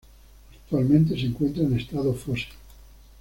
Actualmente se encuentra en estado fósil.